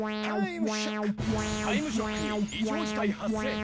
『タイムショック』に異常事態発生！